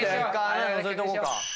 穴のぞいとこうか。